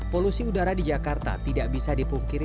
polusi udara di jakarta tidak bisa dipungkiri